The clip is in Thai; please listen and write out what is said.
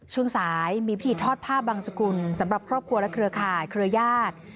ช่วงสายมีพิธีทอดผ้าบังสกุลสำหรับครอบครัวและเครือข่ายเครือญาติ